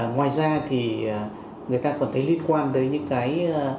ngoài ra thì người ta còn thấy liên quan đến những cái